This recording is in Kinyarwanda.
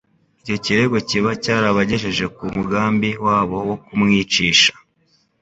icyo kirego kiba cyarabagejeje ku mugambi wabo wo kumwicisha